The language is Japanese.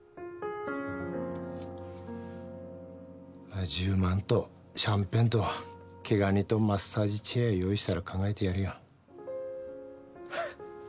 まあ１０万とシャンペンと毛ガニとマッサージチェア用意したら考えてやるよ。